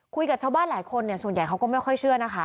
คุยกับชาวบ้านหลายคนเนี่ยส่วนใหญ่เขาก็ไม่ค่อยเชื่อนะคะ